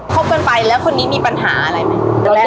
บกันไปแล้วคนนี้มีปัญหาอะไรไหม